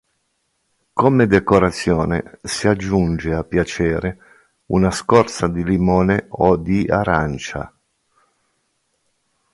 Come decorazione si aggiunge a piacere una scorza di limone o di arancia.